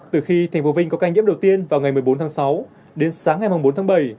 từ khi thành phố vinh có ca nhiễm đầu tiên vào ngày một mươi bốn tháng sáu đến sáng ngày bốn tháng bảy